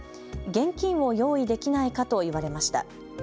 現金を用意できないかと言われました。